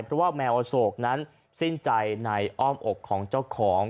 เพราะว่าแมวอโศกนั้นสิ้นใจในอ้อมอกของเจ้าของ